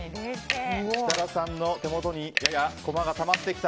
設楽さんの手元にやや駒がたまってきた。